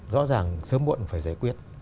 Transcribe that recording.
rõ ràng sớm muộn phải giải quyết